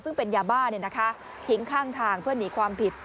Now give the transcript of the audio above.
ซึ่งเป็นยาบ้าทิ้งข้างทางเพื่อหนีความผิด